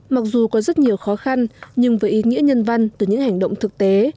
mặc dù có rất nhiều khó khăn nhưng với ý nghĩa nhân văn từ những hành động thực tế